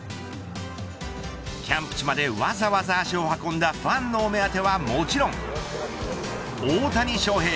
キャンプ地までわざわざ足を運んだファンのお目当てはもちろん大谷翔平。